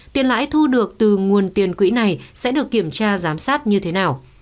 tiền lãi thu được từ nguồn tiền quỹ này sẽ được kiểm tra giám sát như thế nào